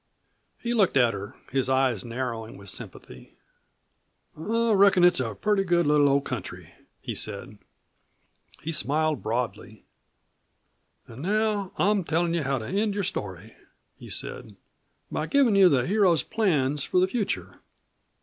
He looked at her, his eyes narrowing with sympathy. "I reckon it's a pretty good little old country," he said. He smiled broadly. "An' now I'm to tell you how to end your story," he said, "by givin' you the hero's plans for the future.